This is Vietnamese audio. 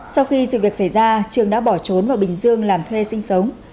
sau khi sự việc xảy ra trường đã bỏ trốn vào bình dương làm thuê sinh sống